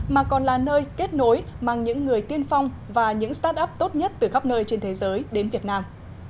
mà còn là nơi kết nối mang những người tiên phong và những start up tốt nhất từ khắp nơi trên thế giới đến việt nam